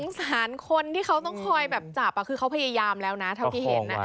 สารคนที่เขาต้องคอยแบบจับคือเขาพยายามแล้วนะเท่าที่เห็น